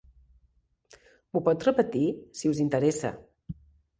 M'ho pot repetir, si us interessa?